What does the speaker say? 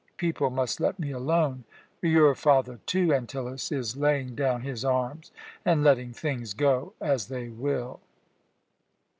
People must let me alone! Your father, too, Antyllus, is laying down his arms and letting things go as they will."